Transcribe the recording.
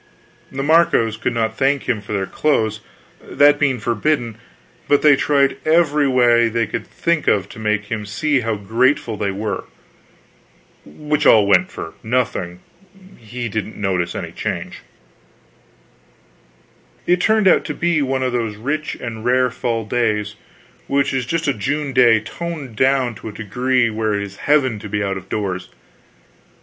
The Marcos could not thank him for their clothes, that being forbidden; but they tried every way they could think of to make him see how grateful they were. Which all went for nothing: he didn't notice any change. It turned out to be one of those rich and rare fall days which is just a June day toned down to a degree where it is heaven to be out of doors.